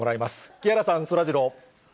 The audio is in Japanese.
木原さん、そらジロー。